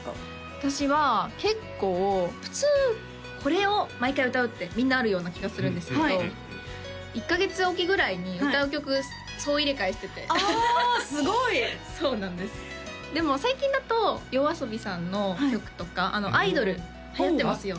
私は結構普通これを毎回歌うってみんなあるような気がするんですけど１カ月おきぐらいに歌う曲総入れ替えしててすごいそうなんですでも最近だとＹＯＡＳＯＢＩさんの曲とか「アイドル」はやってますよね